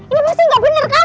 ini pasti nggak bener kan